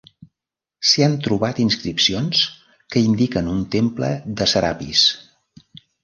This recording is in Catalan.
S'hi han trobat inscripcions que indiquen un temple de Serapis.